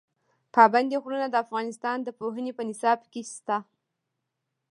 پابندي غرونه د افغانستان د پوهنې په نصاب کې شته.